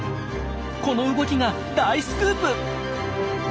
この動きが大スクープ！